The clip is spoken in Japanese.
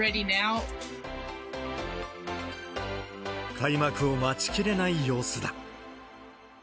開幕を待ちきれない様子だ。